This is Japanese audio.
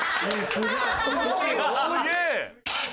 すげえ！